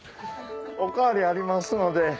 お代わりありますので。